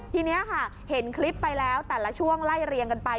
ทีนี้ค่ะเห็นคลิปไปแล้วแต่ละช่วงไล่เรียงกันไป